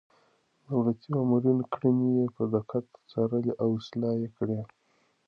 د دولتي مامورينو کړنې يې په دقت څارلې او اصلاح يې کړې.